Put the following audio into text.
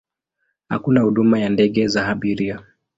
Hakuna huduma ya ndege za abiria.